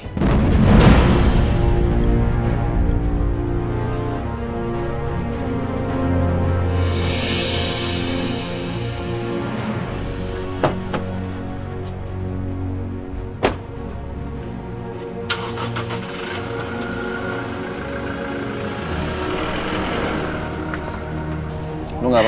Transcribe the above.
dari ayah kandungnya sendiri